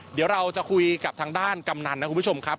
เดี๋ยวเราจะคุยกับทางด้านกำนันนะคุณผู้ชมครับ